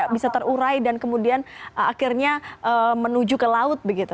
bisa terurai dan kemudian akhirnya menuju ke laut begitu